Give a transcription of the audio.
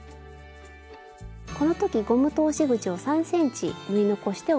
この時ゴム通し口を３ｃｍ縫い残しておきましょう。